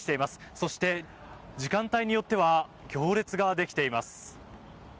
そして、時間帯によっては行列ができています。